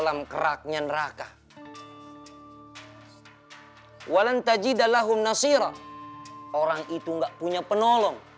orang itu tidak punya penolong